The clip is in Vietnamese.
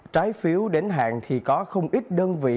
trái phiếu đến hạn thì có không ít đơn vị